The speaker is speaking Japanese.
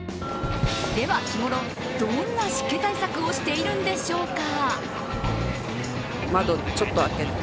では、日ごろどんな湿気対策をしているんでしょうか。